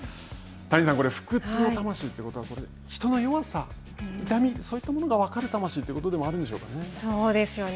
谷さん、不屈の魂ということは、人の弱さ、痛み、そういったものが分かる魂ということでもあるんですかね。